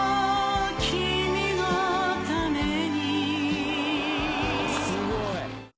君のためにすごい。